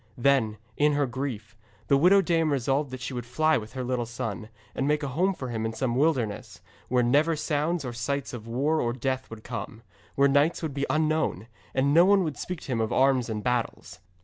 Then, in her grief, the widow dame resolved that she would fly with her little son, and make a home for him in some wilderness, where never sounds or sights of war or death would come, where knights would be unknown, and no one would speak to him of arms and battles.